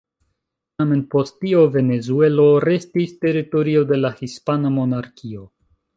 Tamen post tio Venezuelo restis teritorio de la hispana monarkio.